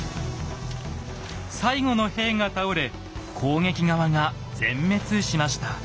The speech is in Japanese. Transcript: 最後の兵が倒れ攻撃側が全滅しました。